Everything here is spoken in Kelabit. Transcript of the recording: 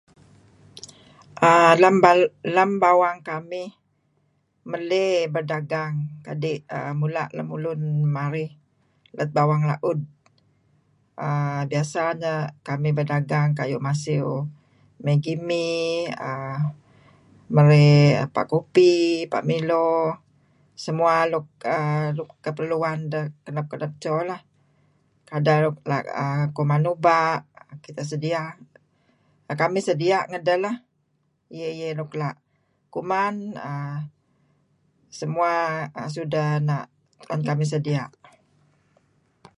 Ah lem bawang kamih uhm maley berdagang kadi' mula' lemulun marih lat bawang laud. uhm biasa neh kamih berdagang kamih dagang Maggi Mee uhm marey ebpa Kopi, ebpa' Milo, semua nuk keperluan deh kenep-kenep edto bah. Ada nuk kuman nuba' sedia' kamih sedia' ngedeh iih-iieh nuk la' kuman uhm sudah na' tuen kamih sedia'.